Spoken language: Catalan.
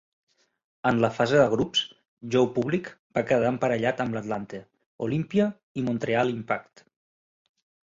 En la fase de grups, Joe Public va quedar emparellat amb Atlante, Olimpia i Montreal Impact.